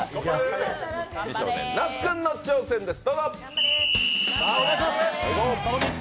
美少年、那須君の挑戦です。